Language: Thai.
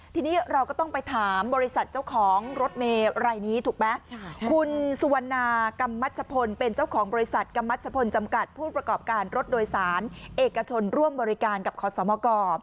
ทีนี้เราก็ต้องไปถามบริษัทเจ้าของรถเมย์รายนี้ถูกไหมคุณสุวรรณากำมัชพลเป็นเจ้าของบริษัทกำมัชพลจำกัดผู้ประกอบการรถโดยสารเอกชนร่วมบริการกับขอสมก